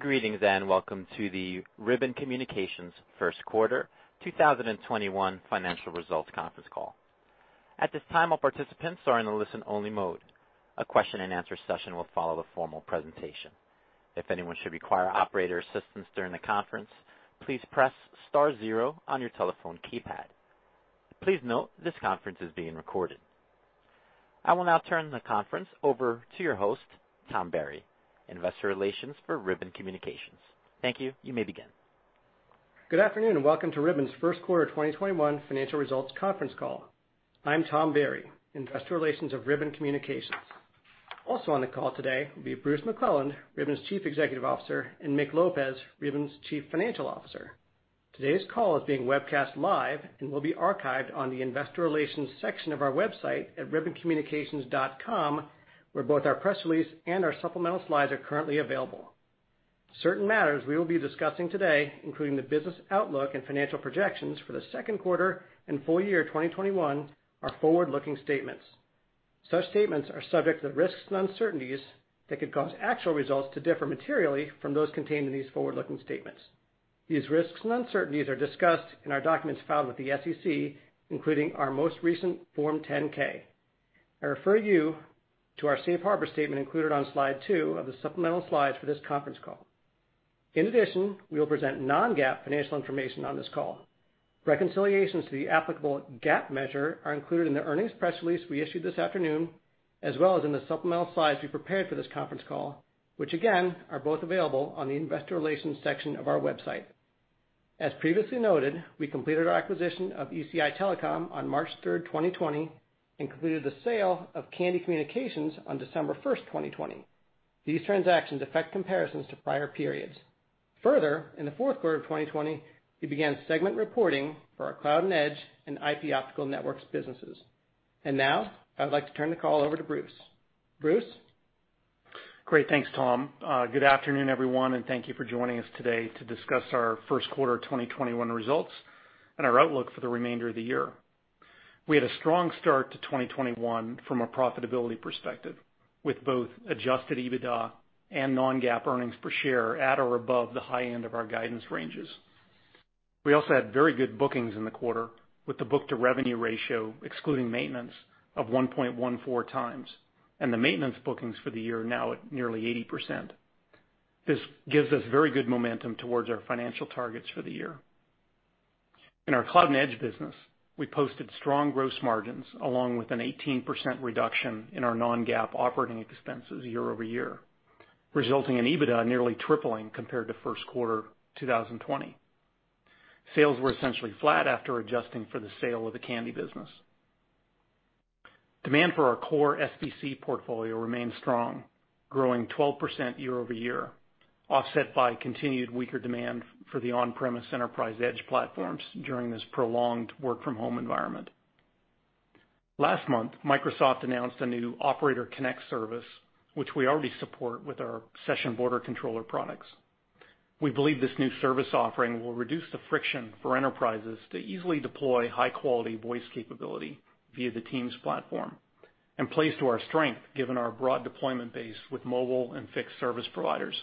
Greeting then welcome to the Ribbon Communications first quarter, 2021 financial results conference call. At this time, all participants are in a listen-only mode. A question and answer session will follow the formal presentation. If anyone should require operator assistance during the conference, please press star zero on your telephone keypad. Please note this conference is being recorded. I will now turn the conference over to your host, Tom Berry, Investor Relations for Ribbon Communications. Thank you. You may begin. Good afternoon, welcome to Ribbon's first quarter 2021 financial results conference call. I'm Tom Berry, investor relations of Ribbon Communications. Also on the call today will be Bruce McClelland, Ribbon's Chief Executive Officer, Mick Lopez, Ribbon's Chief Financial Officer. Today's call is being webcast live and will be archived on the investor relations section of our website at ribboncommunications.com, where both our press release and our supplemental slides are currently available. Certain matters we will be discussing today, including the business outlook and financial projections for the second quarter and full year 2021, are forward-looking statements. Such statements are subject to risks and uncertainties that could cause actual results to differ materially from those contained in these forward-looking statements. These risks and uncertainties are discussed in our documents filed with the SEC, including our most recent Form 10-K. I refer you to our safe harbor statement included on slide two of the supplemental slides for this conference call. In addition, we will present non-GAAP financial information on this call. Reconciliations to the applicable GAAP measure are included in the earnings press release we issued this afternoon, as well as in the supplemental slides we prepared for this conference call, which again, are both available on the investor relations section of our website. As previously noted, we completed our acquisition of ECI Telecom on March 3rd, 2020, and completed the sale of Kandy Communications on December 1st, 2020. These transactions affect comparisons to prior periods. Further, in the fourth quarter of 2020, we began segment reporting for our Cloud and Edge and IP Optical Networks businesses. Now, I would like to turn the call over to Bruce. Bruce? Great. Thanks, Tom. Good afternoon, everyone, thank you for joining us today to discuss our first quarter 2021 results and our outlook for the remainder of the year. We had a strong start to 2021 from a profitability perspective, with both adjusted EBITDA and non-GAAP earnings per share at or above the high end of our guidance ranges. We also had very good bookings in the quarter with the book-to-revenue ratio, excluding maintenance, of 1.14x, and the maintenance bookings for the year are now at nearly 80%. This gives us very good momentum towards our financial targets for the year. In our Cloud and Edge business, we posted strong gross margins along with an 18% reduction in our non-GAAP operating expenses year-over-year, resulting in EBITDA nearly tripling compared to first quarter 2020. Sales were essentially flat after adjusting for the sale of the Kandy business. Demand for our core SBC portfolio remains strong, growing 12% year-over-year, offset by continued weaker demand for the on-premise enterprise edge platforms during this prolonged work-from-home environment. Last month, Microsoft announced a new Operator Connect service, which we already support with our session border controller products. We believe this new service offering will reduce the friction for enterprises to easily deploy high-quality voice capability via the Teams platform and plays to our strength given our broad deployment base with mobile and fixed service providers.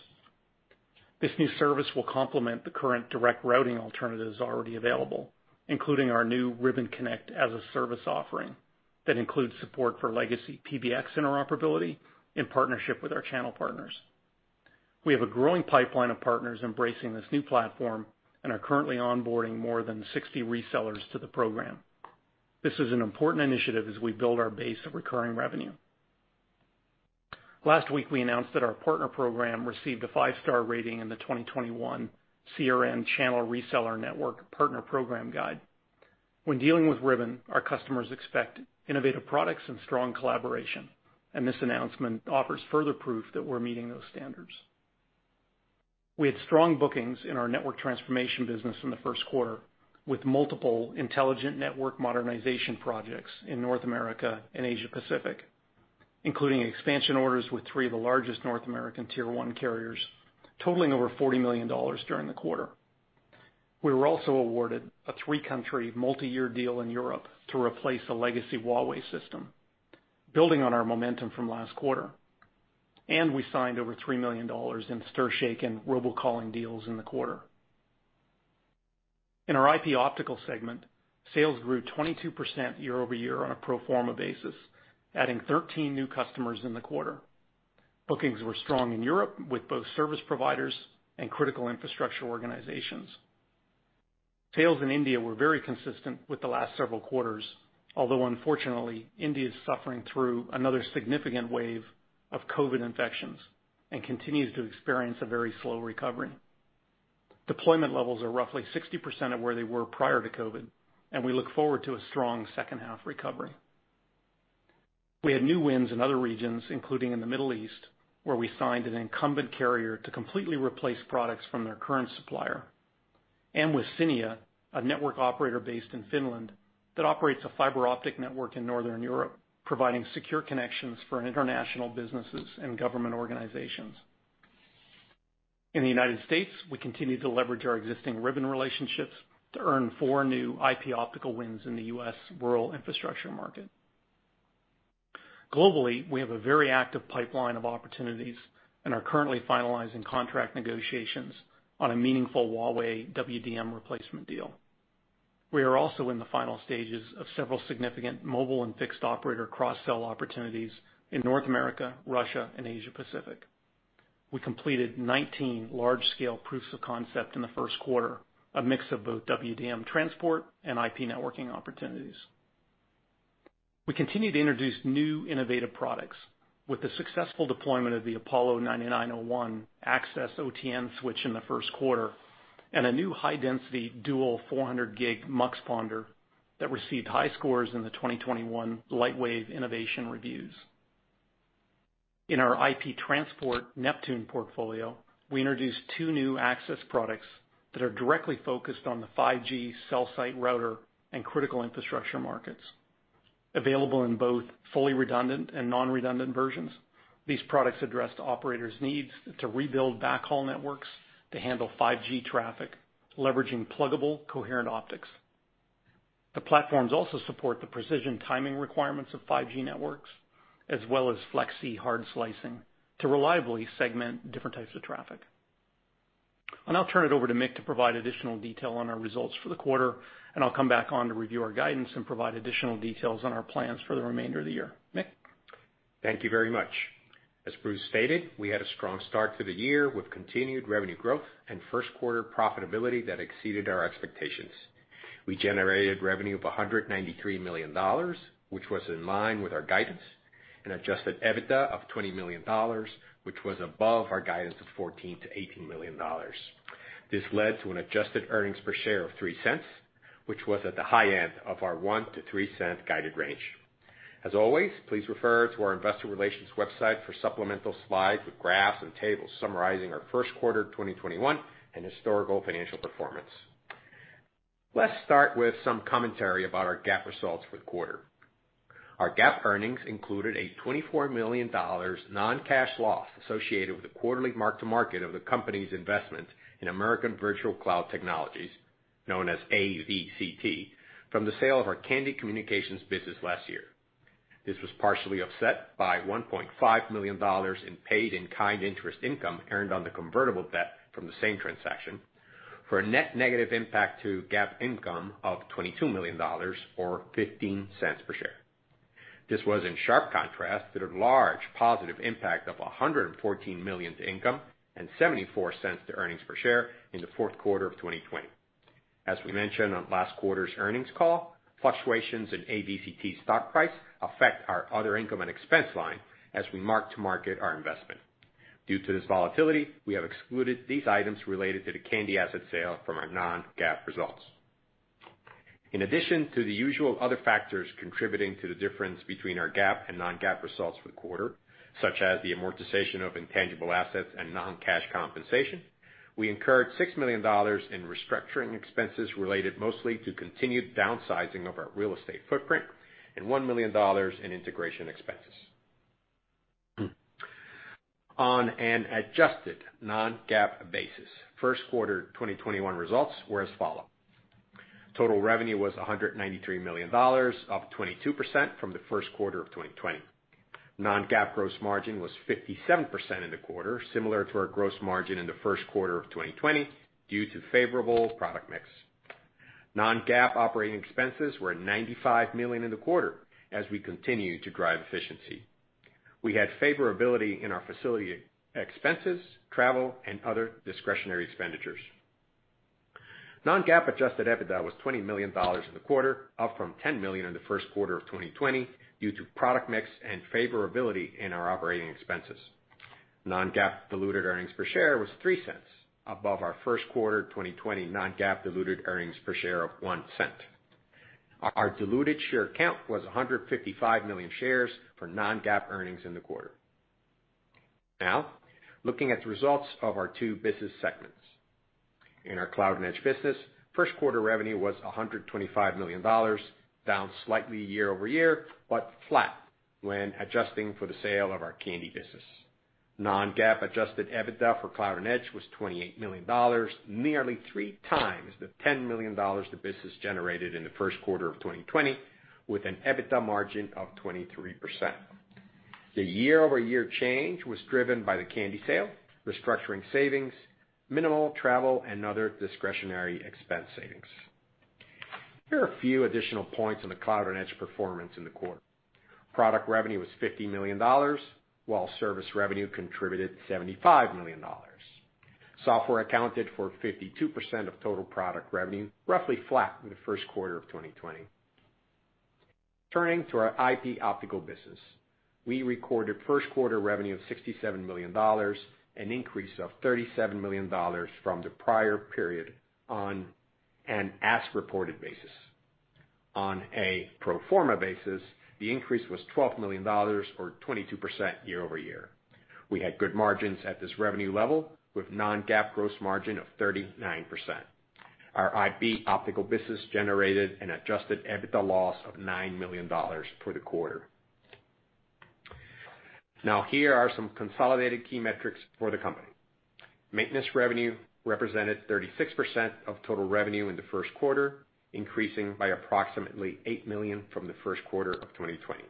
This new service will complement the current Direct Routing alternatives already available, including our new Ribbon Connect as a service offering that includes support for legacy PBX interoperability in partnership with our channel partners. We have a growing pipeline of partners embracing this new platform and are currently onboarding more than 60 resellers to the program. This is an important initiative as we build our base of recurring revenue. Last week, we announced that our partner program received a 5-star rating in the 2021 CRN Partner Program Guide. When dealing with Ribbon, our customers expect innovative products and strong collaboration. This announcement offers further proof that we're meeting those standards. We had strong bookings in our network transformation business in the first quarter with multiple intelligent network modernization projects in North America and Asia Pacific, including expansion orders with three of the largest North American Tier 1 carriers, totaling over $40 million during the quarter. We were also awarded a three-country, multi-year deal in Europe to replace a legacy Huawei system, building on our momentum from last quarter. We signed over $3 million in STIR/SHAKEN and robocalling deals in the quarter. In our IP Optical Networks, sales grew 22% year-over-year on a pro forma basis, adding 13 new customers in the quarter. Bookings were strong in Europe with both service providers and critical infrastructure organizations. Sales in India were very consistent with the last several quarters, although unfortunately, India is suffering through another significant wave of COVID infections and continues to experience a very slow recovery. Deployment levels are roughly 60% of where they were prior to COVID, and we look forward to a strong second half recovery. We had new wins in other regions, including in the Middle East, where we signed an incumbent carrier to completely replace products from their current supplier, and with Cinia, a network operator based in Finland that operates a fiber optic network in Northern Europe, providing secure connections for international businesses and government organizations. In the U.S., we continue to leverage our existing Ribbon relationships to earn four new IP Optical wins in the U.S. rural infrastructure market. Globally, we have a very active pipeline of opportunities and are currently finalizing contract negotiations on a meaningful Huawei WDM replacement deal. We are also in the final stages of several significant mobile and fixed operator cross-sell opportunities in North America, Russia and Asia Pacific. We completed 19 large-scale proofs of concept in the first quarter, a mix of both WDM transport and IP networking opportunities. We continue to introduce new innovative products with the successful deployment of the Apollo 9901 access OTN switch in the first quarter, and a new high-density dual 400G muxponder that received high scores in the 2021 Lightwave Innovation Reviews. In our IP Transport Neptune portfolio, we introduced two new access products that are directly focused on the 5G cell site router and critical infrastructure markets. Available in both fully redundant and non-redundant versions, these products address the operators' needs to rebuild backhaul networks to handle 5G traffic, leveraging pluggable coherent optics. The platforms also support the precision timing requirements of 5G networks, as well as FlexE hard slicing to reliably segment different types of traffic. I'll now turn it over to Mick to provide additional detail on our results for the quarter, and I'll come back on to review our guidance and provide additional details on our plans for the remainder of the year. Mick? Thank you very much. As Bruce stated, we had a strong start to the year with continued revenue growth and first quarter profitability that exceeded our expectations. We generated revenue of $193 million, which was in line with our guidance, and adjusted EBITDA of $20 million, which was above our guidance of $14 million-$18 million. This led to an adjusted earnings per share of $0.03, which was at the high end of our $0.01-$0.03 guided range. As always, please refer to our investor relations website for supplemental slides with graphs and tables summarizing our first quarter 2021 and historical financial performance. Let's start with some commentary about our GAAP results for the quarter. Our GAAP earnings included a $24 million non-cash loss associated with the quarterly mark to market of the company's investment in American Virtual Cloud Technologies, known as AVCT, from the sale of our Kandy Communications business last year. This was partially offset by $1.5 million in paid-in-kind interest income earned on the convertible debt from the same transaction, for a net negative impact to GAAP income of $22 million or $0.15 per share. This was in sharp contrast to the large positive impact of $114 million to income and $0.74 to earnings per share in the fourth quarter of 2020. As we mentioned on last quarter's earnings call, fluctuations in AVCT's stock price affect our other income and expense line as we mark to market our investment. Due to this volatility, we have excluded these items related to the Kandy asset sale from our non-GAAP results. In addition to the usual other factors contributing to the difference between our GAAP and non-GAAP results for the quarter, such as the amortization of intangible assets and non-cash compensation, we incurred $6 million in restructuring expenses related mostly to continued downsizing of our real estate footprint and $1 million in integration expenses. On an adjusted non-GAAP basis, first quarter 2021 results were as follow. Total revenue was $193 million, up 22% from the first quarter of 2020. Non-GAAP gross margin was 57% in the quarter, similar to our gross margin in the first quarter of 2020 due to favorable product mix. Non-GAAP operating expenses were $95 million in the quarter as we continue to drive efficiency. We had favorability in our facility expenses, travel, and other discretionary expenditures. Non-GAAP adjusted EBITDA was $20 million in the quarter, up from $10 million in the first quarter of 2020 due to product mix and favorability in our operating expenses. Non-GAAP diluted earnings per share was $0.03 above our first quarter 2020 non-GAAP diluted earnings per share of $0.01. Our diluted share count was 155 million shares for non-GAAP earnings in the quarter. Looking at the results of our two business segments. In our Cloud and Edge business, first quarter revenue was $125 million, down slightly year-over-year, but flat when adjusting for the sale of our Kandy business. Non-GAAP adjusted EBITDA for Cloud and Edge was $28 million, nearly 3x the $10 million the business generated in the first quarter of 2020, with an EBITDA margin of 23%. The year-over-year change was driven by the Kandy sale, restructuring savings, minimal travel, and other discretionary expense savings. Here are a few additional points on the Cloud and Edge performance in the quarter. Product revenue was $50 million, while service revenue contributed $75 million. Software accounted for 52% of total product revenue, roughly flat from the first quarter of 2020. Turning to our IP Optical business, we recorded first quarter revenue of $67 million, an increase of $37 million from the prior period on an as-reported basis. On a pro forma basis, the increase was $12 million or 22% year-over-year. We had good margins at this revenue level with non-GAAP gross margin of 39%. Our IP Optical business generated an adjusted EBITDA loss of $9 million for the quarter. Here are some consolidated key metrics for the company. Maintenance revenue represented 36% of total revenue in the first quarter, increasing by approximately $8 million from the first quarter of 2020.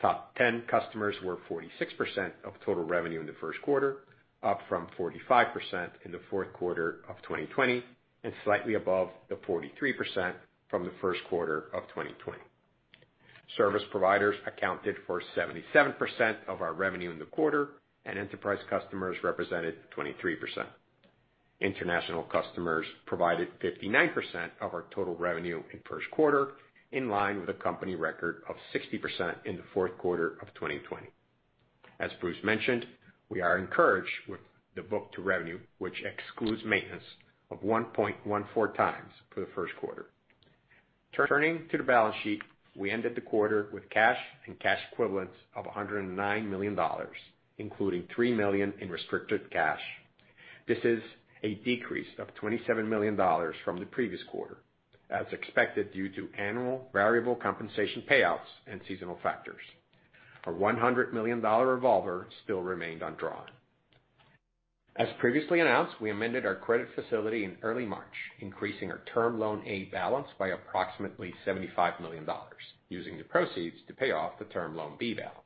Top 10 customers were 46% of total revenue in the first quarter, up from 45% in the fourth quarter of 2020, and slightly above the 43% from the first quarter of 2020. Service providers accounted for 77% of our revenue in the quarter, and enterprise customers represented 23%. International customers provided 59% of our total revenue in first quarter, in line with a company record of 60% in the fourth quarter of 2020. As Bruce mentioned, we are encouraged with the book to revenue, which excludes maintenance of 1.14x for the first quarter. Turning to the balance sheet, we ended the quarter with cash and cash equivalents of $109 million, including $3 million in restricted cash. This is a decrease of $27 million from the previous quarter, as expected due to annual variable compensation payouts and seasonal factors. Our $100 million revolver still remained undrawn. As previously announced, we amended our credit facility in early March, increasing our Term Loan A balance by approximately $75 million, using the proceeds to pay off the Term Loan B balance.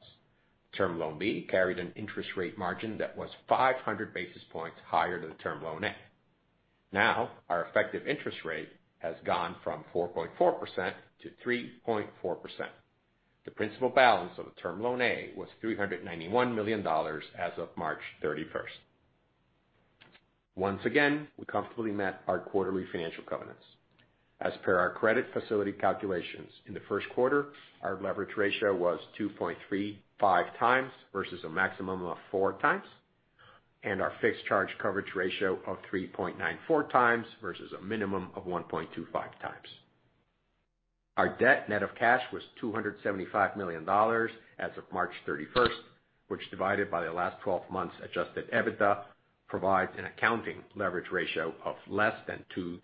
Term Loan B carried an interest rate margin that was 500 basis points higher than Term Loan A. Our effective interest rate has gone from 4.4%-3.4%. The principal balance of the Term Loan A was $391 million as of March 31st. Once again, we comfortably met our quarterly financial covenants. As per our credit facility calculations, in the first quarter, our leverage ratio was 2.35x versus a maximum of 4x, and our fixed charge coverage ratio of 3.94x versus a minimum of 1.25x. Our debt net of cash was $275 million as of March 31st, which divided by the last 12 months adjusted EBITDA, provides an accounting leverage ratio of less than 2x.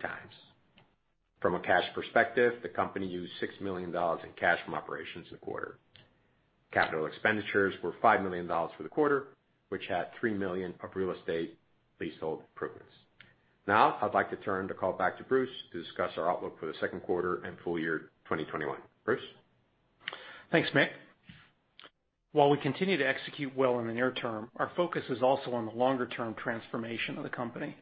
From a cash perspective, the company used $6 million in cash from operations a quarter. Capital expenditures were $5 million for the quarter, which had $3 million up real estate leasehold improvements. Now I'd like to turn the call back to Bruce to discuss our outlook for the second quarter and full year 2021. Bruce? Thanks, Mick. While we continue to execute well in the near-term, our focus is also on the longer-term transformation of the company.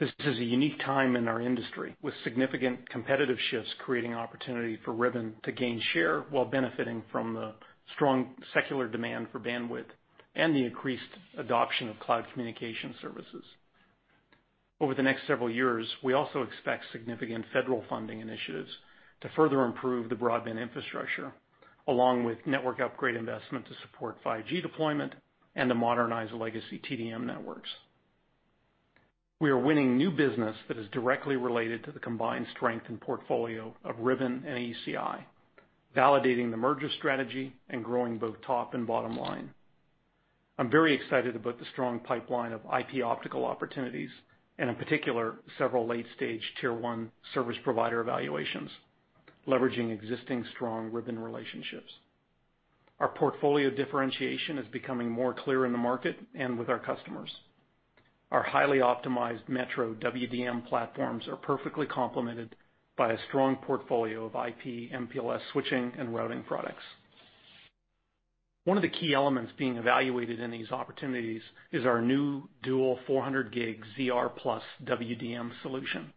This is a unique time in our industry, with significant competitive shifts creating opportunity for Ribbon to gain share while benefiting from the strong secular demand for bandwidth and the increased adoption of cloud communication services. Over the next several years, we also expect significant federal funding initiatives to further improve the broadband infrastructure, along with network upgrade investment to support 5G deployment and to modernize legacy TDM networks. We are winning new business that is directly related to the combined strength and portfolio of Ribbon and ECI, validating the merger strategy and growing both top and bottom line. I'm very excited about the strong pipeline of IP optical opportunities, and in particular, several late-stage Tier 1 service provider evaluations leveraging existing strong Ribbon relationships. Our portfolio differentiation is becoming more clear in the market and with our customers. Our highly optimized metro WDM platforms are perfectly complemented by a strong portfolio of IP/MPLS switching and routing products. One of the key elements being evaluated in these opportunities is our new dual 400G ZR+ WDM solution.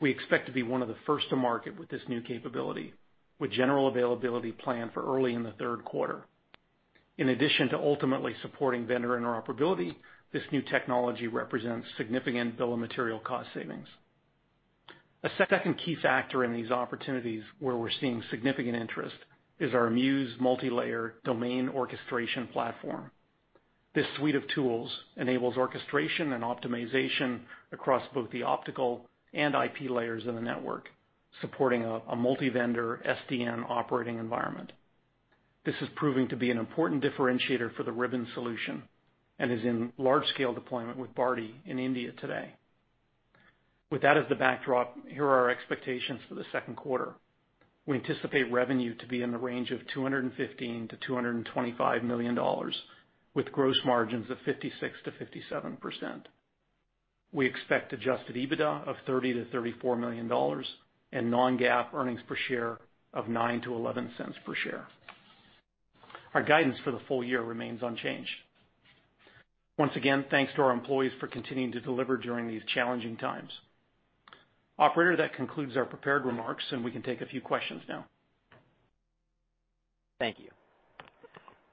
We expect to be one of the first to market with this new capability, with general availability planned for early in the third quarter. In addition to ultimately supporting vendor interoperability, this new technology represents significant bill of material cost savings. A second key factor in these opportunities where we're seeing significant interest is our Muse multilayer domain orchestration platform. This suite of tools enables orchestration and optimization across both the optical and IP layers of the network, supporting a multi-vendor SDN operating environment. This is proving to be an important differentiator for the Ribbon solution and is in large-scale deployment with Bharti in India today. With that as the backdrop, here are our expectations for the second quarter. We anticipate revenue to be in the range of $215 million-$225 million, with gross margins of 56%-57%. We expect adjusted EBITDA of $30 million-$34 million and non-GAAP earnings per share of $0.09-$0.11 per share. Our guidance for the full year remains unchanged. Once again, thanks to our employees for continuing to deliver during these challenging times. Operator, that concludes our prepared remarks, and we can take a few questions now. Thank you.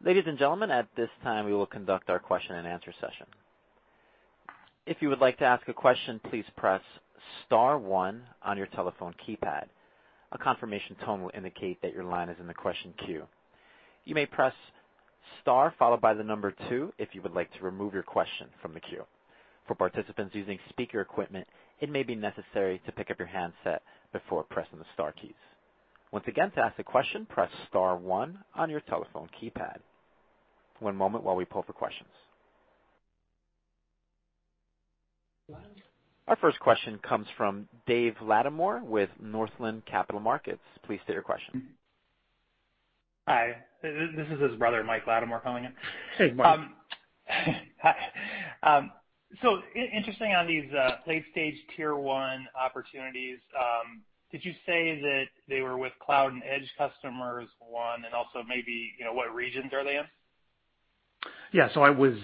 Ladies and gentlemen, at this time, we will conduct our question and answer session. If you would like to ask a question, please press star one on your telephone keypad. A confirmation tone will indicate that your line is in the question queue. You may press star followed by the number two if you would like to remove your question from the queue. For participants using speaker equipment, it may be necessary to pick up your handset before pressing the star keys. Once again, to ask a question, press star one on your telephone keypad. One moment while we pull for questions Our first question comes from Dave Latimore with Northland Capital Markets. Please state your question. Hi. This is his brother, Mike Latimore calling in. Hey, Mike. Hi. Interesting on these late stage Tier 1 opportunities. Did you say that they were with Cloud and Edge customers, one, and also maybe, what regions are they in? Yeah. I was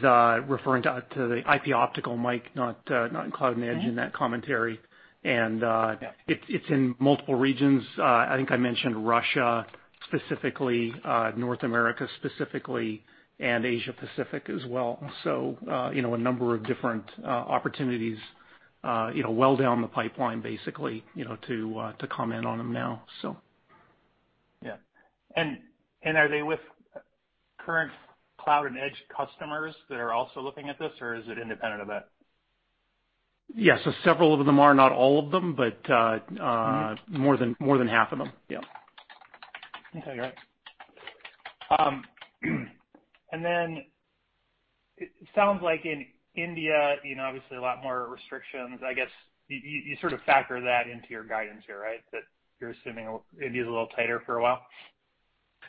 referring to the IP Optical, Mike, not in Cloud and Edge in that commentary. Yeah. It's in multiple regions. I think I mentioned Russia specifically, North America specifically, and Asia Pacific as well. A number of different opportunities well down the pipeline, basically, to comment on them now. Yeah. Are they with current Cloud and Edge customers that are also looking at this, or is it independent of that? Yeah. Several of them are, not all of them, but- More than half of them. Yeah. Okay, great. It sounds like in India, obviously a lot more restrictions. I guess you sort of factor that into your guidance here, right? You're assuming India's a little tighter for a while.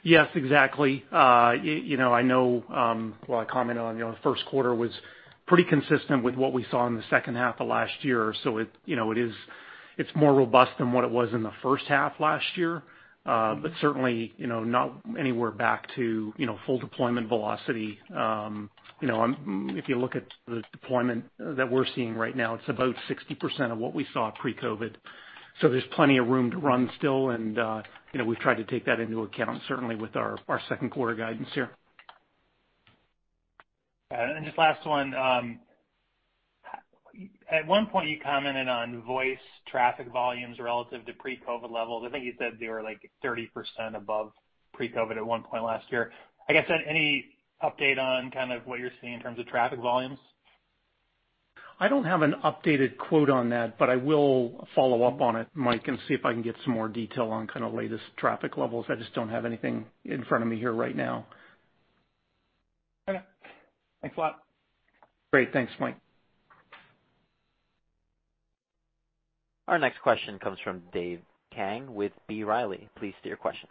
Yes, exactly. I know, well, I commented on the first quarter was pretty consistent with what we saw in the second half of last year. It's more robust than what it was in the first half last year. Certainly, not anywhere back to full deployment velocity. If you look at the deployment that we're seeing right now, it's about 60% of what we saw pre-COVID. There's plenty of room to run still, and we've tried to take that into account, certainly with our second quarter guidance here. All right. Just last one. At one point you commented on voice traffic volumes relative to pre-COVID levels. I think you said they were 30% above pre-COVID at one point last year. I guess, any update on what you're seeing in terms of traffic volumes? I don't have an updated quote on that, but I will follow up on it, Mike, and see if I can get some more detail on latest traffic levels. I just don't have anything in front of me here right now. Okay. Thanks a lot. Great. Thanks, Mike. Our next question comes from Dave Kang with B. Riley. Please state your question.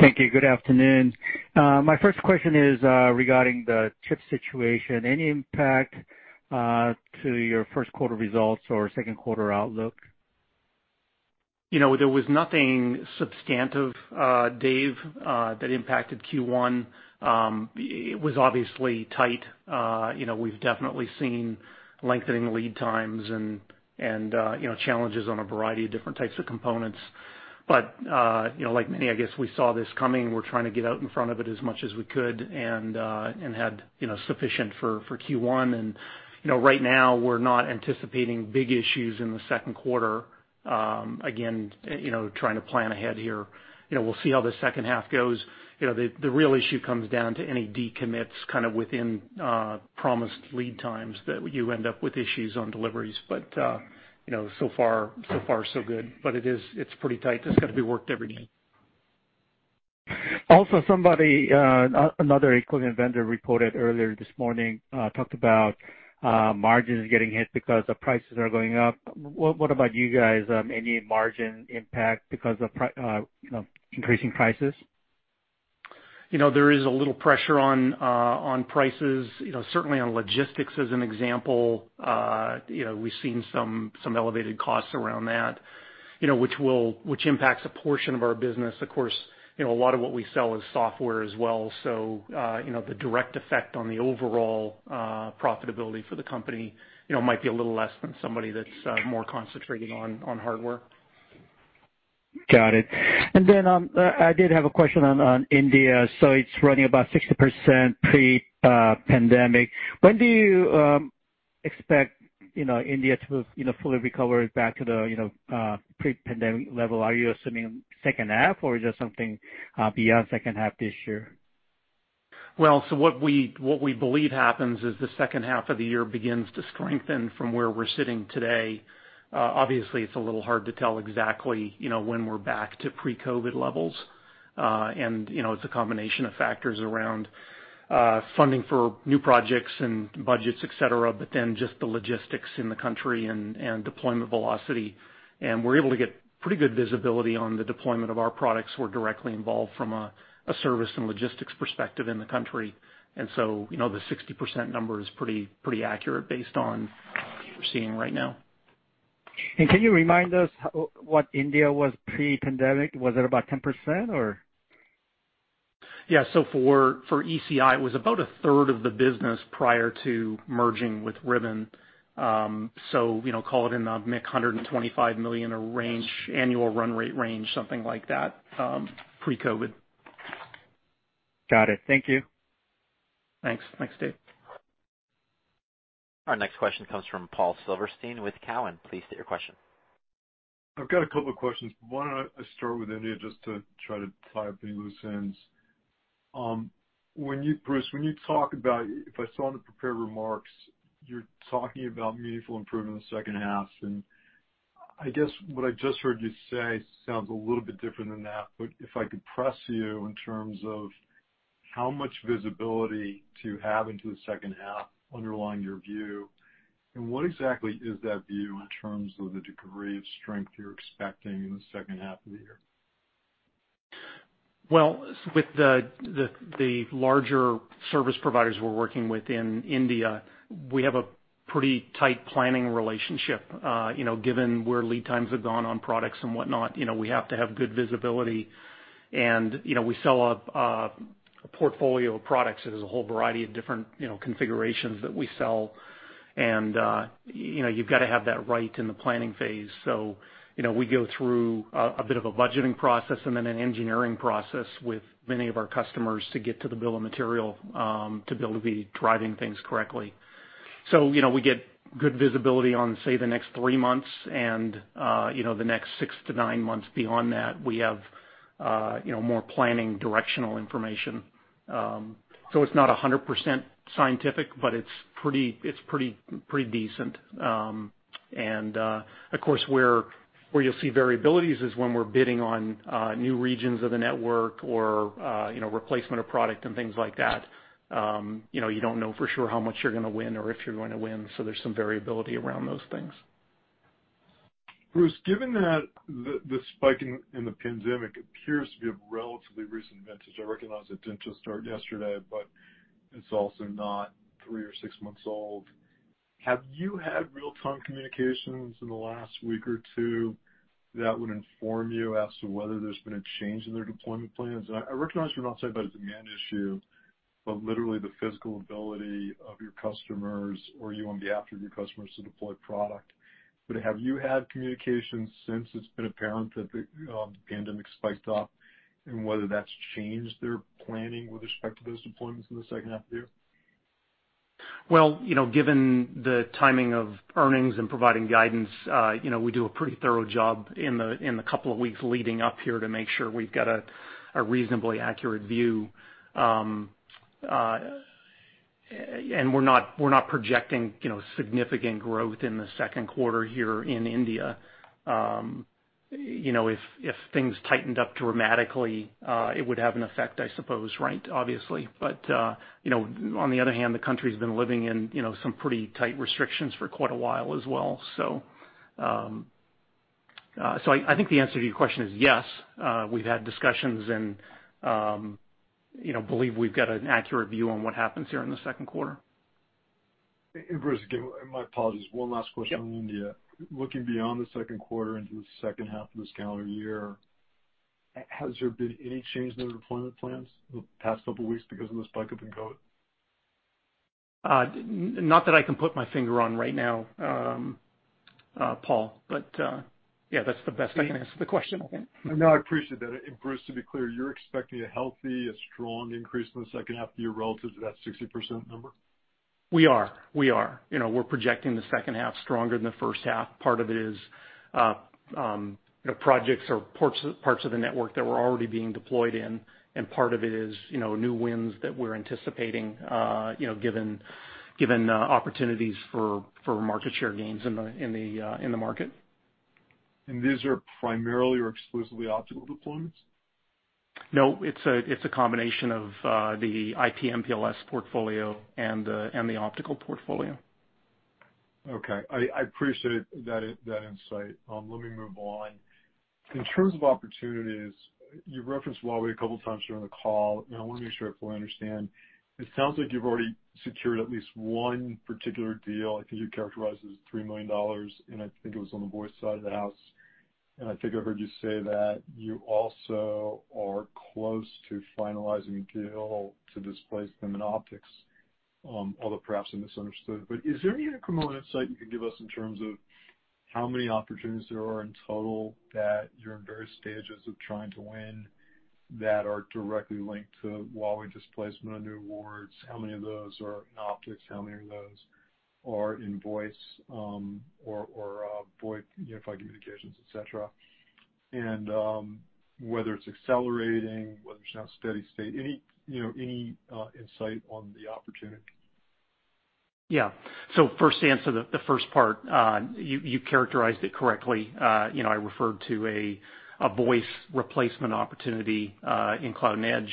Thank you. Good afternoon. My first question is regarding the chip situation. Any impact to your first quarter results or second quarter outlook? There was nothing substantive, Dave, that impacted Q1. It was obviously tight. We've definitely seen lengthening lead times and challenges on a variety of different types of components. Like many, I guess, we saw this coming and we're trying to get out in front of it as much as we could and had sufficient for Q1. Right now, we're not anticipating big issues in the second quarter. Again, trying to plan ahead here. We'll see how the second half goes. The real issue comes down to any decommits within promised lead times that you end up with issues on deliveries. So far so good. It's pretty tight, it's got to be worked every day. Somebody, another equipment vendor reported earlier this morning, talked about margins getting hit because the prices are going up. What about you guys? Any margin impact because of increasing prices? There is a little pressure on prices, certainly on logistics as an example. We've seen some elevated costs around that which impacts a portion of our business. Of course, a lot of what we sell is software as well. The direct effect on the overall profitability for the company might be a little less than somebody that's more concentrated on hardware. Got it. I did have a question on India. It's running about 60% pre-pandemic. When do you expect India to fully recover back to the pre-pandemic level? Are you assuming second half or just something beyond second half this year? Well, what we believe happens is the second half of the year begins to strengthen from where we're sitting today. Obviously, it's a little hard to tell exactly when we're back to pre-COVID levels. It's a combination of factors around funding for new projects and budgets, etc, just the logistics in the country and deployment velocity. We're able to get pretty good visibility on the deployment of our products. We're directly involved from a service and logistics perspective in the country. The 60% number is pretty accurate based on what we're seeing right now. Can you remind us what India was pre-pandemic? Was it about 10%, or? Yeah. For ECI, it was about a third of the business prior to merging with Ribbon. Call it in the $125 million annual run rate range, something like that, pre-COVID. Got it. Thank you. Thanks. Thanks, Dave. Our next question comes from Paul Silverstein with Cowen. Please state your question. I've got a couple of questions. Why don't I start with India just to try to tie up any loose ends. Bruce, when you talk about, if I saw in the prepared remarks, you're talking about meaningful improvement in the second half. I guess what I just heard you say sounds a little bit different than that. If I could press you in terms of how much visibility do you have into the second half underlying your view, and what exactly is that view in terms of the degree of strength you're expecting in the second half of the year? Well, with the larger service providers we're working with in India, we have a pretty tight planning relationship. Given where lead times have gone on products and whatnot, we have to have good visibility, and we sell a portfolio of products. There's a whole variety of different configurations that we sell, and you've got to have that right in the planning phase. We go through a bit of a budgeting process and then an engineering process with many of our customers to get to the bill of material to be able to be driving things correctly. We get good visibility on, say, the next three months, and the next six to nine months beyond that, we have more planning directional information. It's not 100% scientific, but it's pretty decent Of course, where you'll see variabilities is when we're bidding on new regions of the network or replacement of product and things like that. You don't know for sure how much you're going to win or if you're going to win, so there's some variability around those things. Bruce, given that the spike in the pandemic appears to be of relatively recent vintage. I recognize it didn't just start yesterday, but it's also not three or six months old. Have you had real-time communications in the last week or two that would inform you as to whether there's been a change in their deployment plans? I recognize you're not talking about a demand issue, but literally the physical ability of your customers or you on behalf of your customers to deploy product. Have you had communications since it's been apparent that the pandemic spiked up and whether that's changed their planning with respect to those deployments in the second half of the year? Well, given the timing of earnings and providing guidance, we do a pretty thorough job in the couple of weeks leading up here to make sure we've got a reasonably accurate view. We're not projecting significant growth in the second quarter here in India. If things tightened up dramatically, it would have an effect, I suppose, right, obviously. On the other hand, the country's been living in some pretty tight restrictions for quite a while as well. I think the answer to your question is yes, we've had discussions and believe we've got an accurate view on what happens here in the second quarter. Bruce, again, my apologies, one last question on India. Yep. Looking beyond the second quarter into the second half of this calendar year, has there been any change in their deployment plans the past couple of weeks because of the spike of the COVID? Not that I can put my finger on right now, Paul. Yeah, that's the best I can answer the question, I think. No, I appreciate that. Bruce, to be clear, you're expecting a healthy, a strong increase in the second half of the year relative to that 60% number? We are. We're projecting the second half stronger than the first half. Part of it is projects or parts of the network that we're already being deployed in. Part of it is new wins that we're anticipating, given opportunities for market share gains in the market. These are primarily or exclusively optical deployments? No. It's a combination of the IP/MPLS portfolio and the optical portfolio. Okay. I appreciate that insight. Let me move on. In terms of opportunities, you referenced Huawei a couple times during the call. I want to make sure I fully understand. It sounds like you've already secured at least one particular deal. I think you characterized it as $3 million. I think it was on the voice side of the house. I think I heard you say that you also are close to finalizing a deal to displace them in optics. Although perhaps I misunderstood. Is there any kind of comment or insight you could give us in terms of how many opportunities there are in total that you're in various stages of trying to win that are directly linked to Huawei displacement or new awards? How many of those are in optics? How many of those are in voice or VoIP, unified communications, etc? Whether it's accelerating, whether it's now steady state. Any insight on the opportunities? Yeah. First to answer the first part, you characterized it correctly. I referred to a voice replacement opportunity in Cloud and Edge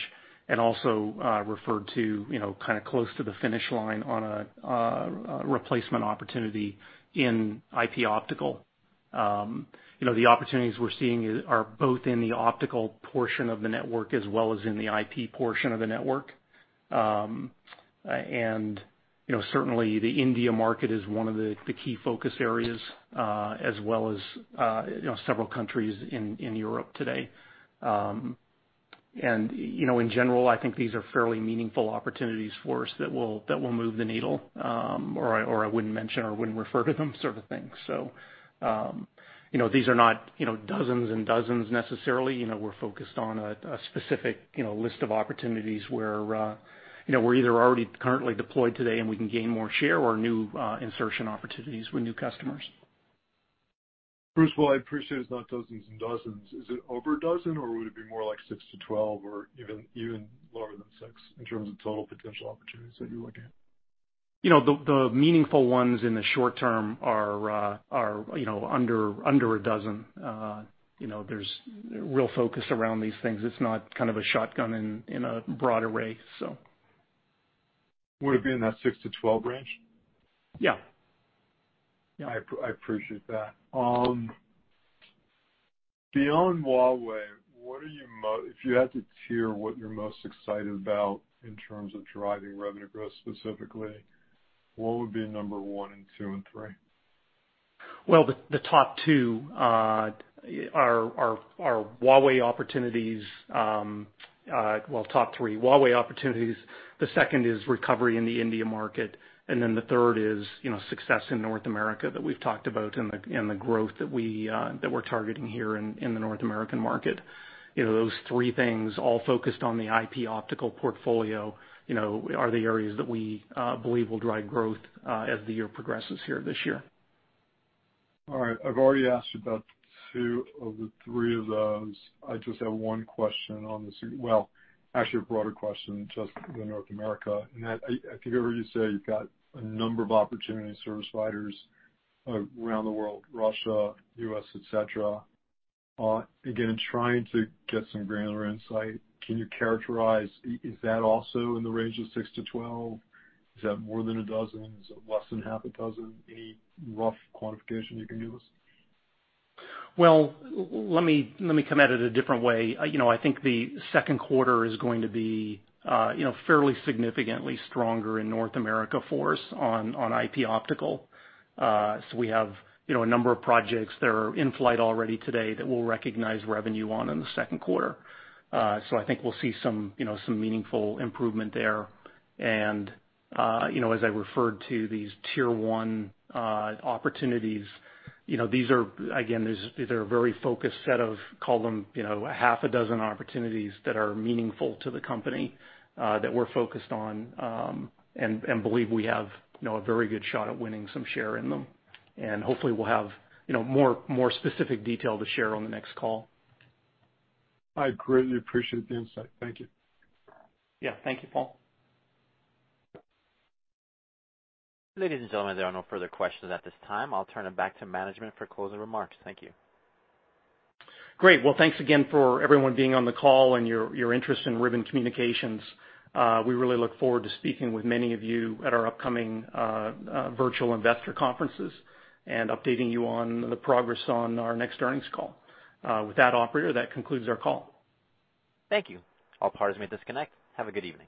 and also referred to close to the finish line on a replacement opportunity in IP optical. The opportunities we're seeing are both in the optical portion of the network as well as in the IP portion of the network. Certainly the India market is one of the key focus areas, as well as several countries in Europe today. In general, I think these are fairly meaningful opportunities for us that will move the needle, or I wouldn't mention or wouldn't refer to them sort of thing. These are not dozens and dozens necessarily. We're focused on a specific list of opportunities where we're either already currently deployed today and we can gain more share or new insertion opportunities with new customers. Bruce, well, I appreciate it's not dozens and dozens. Is it over a dozen or would it be more like 6-12 or even lower than six in terms of total potential opportunities that you're looking at? The meaningful ones in the short-term are under 12. There's real focus around these things. It's not kind of a shotgun in a broad array. Would it be in that 6-12 range? Yeah. I appreciate that. Beyond Huawei, if you had to tier what you're most excited about in terms of driving revenue growth specifically, what would be number one and two and three? Well, the top two are Huawei opportunities. Well, top three Huawei opportunities, the second is recovery in the India market, and then the third is success in North America that we've talked about, and the growth that we're targeting here in the North American market. Those three things all focused on the IP Optical portfolio, are the areas that we believe will drive growth as the year progresses here this year. All right. I've already asked you about two of the three of those. I just have one question on the Well, actually a broader question, just the North America. If you heard you say you've got a number of opportunity service providers around the world, Russia, U.S., etc. Again, trying to get some granular insight. Can you characterize, is that also in the range of 6-12? Is that more than a dozen? Is it less than half a dozen? Any rough quantification you can give us? Well, let me come at it a different way. I think the second quarter is going to be fairly significantly stronger in North America for us on IP Optical Networks. We have a number of projects that are in flight already today that we'll recognize revenue on in the second quarter. I think we'll see some meaningful improvement there. As I referred to these Tier 1 opportunities, again, these are a very focused set of, call them, half a dozen opportunities that are meaningful to the company, that we're focused on, and believe we have a very good shot at winning some share in them. Hopefully we'll have more specific detail to share on the next call. I greatly appreciate the insight. Thank you. Yeah. Thank you, Paul. Ladies and gentlemen, there are no further questions at this time. I'll turn it back to management for closing remarks. Thank you. Great. Well, thanks again for everyone being on the call and your interest in Ribbon Communications. We really look forward to speaking with many of you at our upcoming virtual investor conferences and updating you on the progress on our next earnings call. With that, operator, that concludes our call. Thank you. All parties may disconnect. Have a good evening.